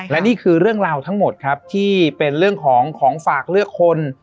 และนี่คือเรื่องราวทั้งหมดครับที่เป็นเรื่องของของฝากเลือกคน